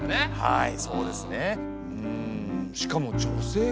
はい。